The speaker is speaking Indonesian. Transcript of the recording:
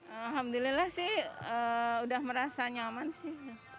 alhamdulillah sih udah merasa nyaman sih